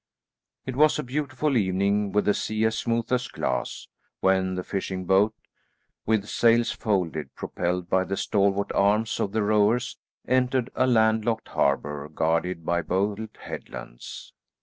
It was a beautiful evening, with the sea as smooth as glass, when the fishing boat, with sails folded, propelled by the stalwart arms of the rowers, entered a land locked harbour, guarded by bold headlands.